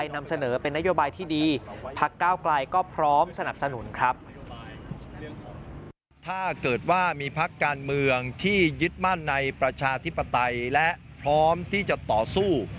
ในประชาธิปไตยและพร้อมที่จะต่อสู้